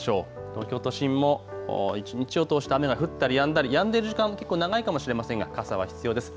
東京都心も一日を通して雨が降ったりやんだり、やんでいる時間が長いかもしれませんが傘は必要です。